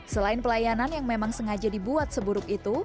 selain pelayanan yang memang sengaja dibuat seburuk itu